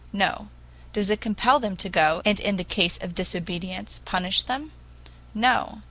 No. Does it compel them to go, and in case of disobedience punish them? No.